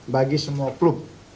bagi semua klub